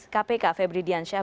kabiro humas kpk febri diansyah